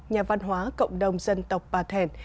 nhà văn hóa cộng đồng dân tộc bà thẻn